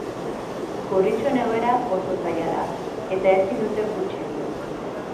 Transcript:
Gorritxoen egoera oso zaila da, eta ezin dute huts egin.